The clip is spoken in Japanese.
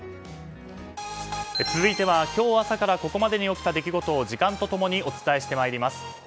続いては今日朝からここまでに起きた出来事を時間と共にお伝えしてまいります。